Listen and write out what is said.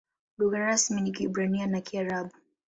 Lugha rasmi ni Kiebrania na Kiarabu.